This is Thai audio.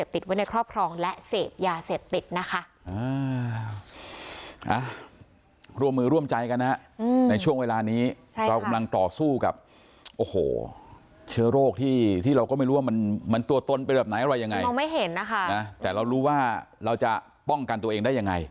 แต่เรารู้ว่าเราจะป้องกันตัวเองได้ยังไง